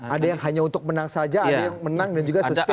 ada yang hanya untuk menang saja ada yang menang dan juga sustain